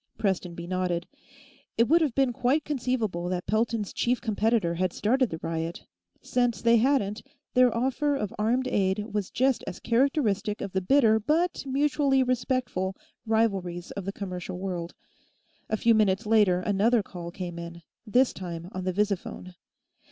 Prestonby nodded. It would have been quite conceivable that Pelton's chief competitor had started the riot; since they hadn't, their offer of armed aid was just as characteristic of the bitter but mutually respectful rivalries of the commercial world. A few minutes later, another call came in, this time on the visiphone.